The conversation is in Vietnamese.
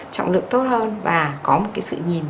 trọng lượng tốt hơn và có một cái sự nhìn